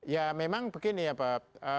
ya memang begini ya pak